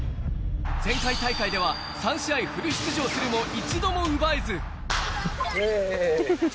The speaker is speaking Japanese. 前回大会では３試合フル出場するも、一度も生まれず。